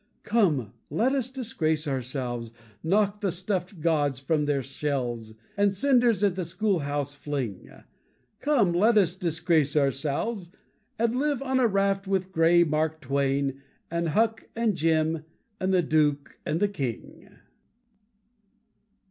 Come let us disgrace ourselves, Knock the stuffed gods from their shelves, And cinders at the schoolhouse fling. Come let us disgrace ourselves, And live on a raft with gray Mark Twain And Huck and Jim And the Duke and the King.